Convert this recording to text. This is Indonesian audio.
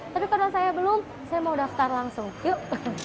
tapi karena saya belum saya mau daftar langsung yuk